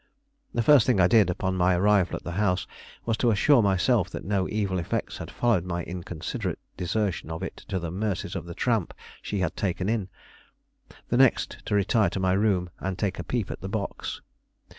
The first thing I did, upon my arrival at the house, was to assure myself that no evil effects had followed my inconsiderate desertion of it to the mercies of the tramp she had taken in; the next to retire to my room, and take a peep at the box.